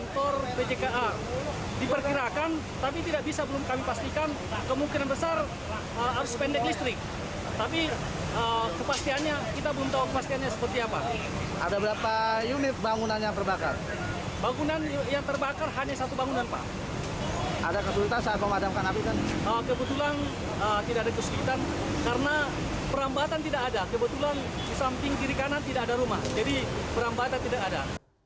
tidak ada kesulitan karena perambatan tidak ada kebetulan di samping kiri kanan tidak ada rumah jadi perambatan tidak ada